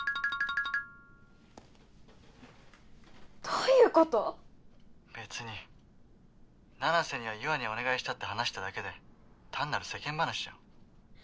どういうこと⁉別に七星には優愛にお願いしたって話しただけで単なる世間話じゃん。